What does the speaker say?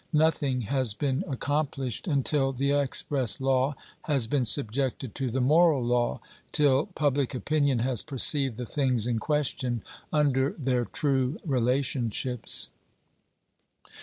Nothing has been accomplished until the express law has been subjected to the moral law, till public opinion has perceived the things in question under their true relationships.